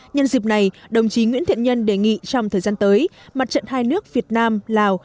nhân dịp này đồng chí nguyễn thiện nhân đề nghị trong thời gian tới mặt trận hai nước việt nam lào